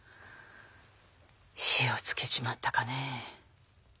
火をつけちまったかねえ。